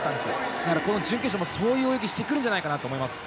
だから準決勝もそういう泳ぎしてくるんじゃないかなと思います。